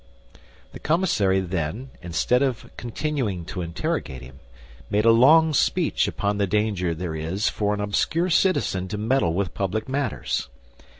The commissary then, instead of continuing to interrogate him, made him a long speech upon the danger there is for an obscure citizen to meddle with public matters.